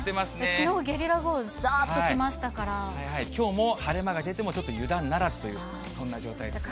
きのう、ゲリラ豪雨、ざーっきょうも晴れ間が出ても、ちょっと油断ならずという、そんな状態です。